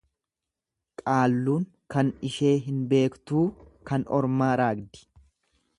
Qaalluun kan ishee hin beektuu kan ormaa raagdi.